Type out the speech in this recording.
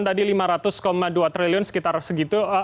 tadi lima ratus dua triliun sekitar segitu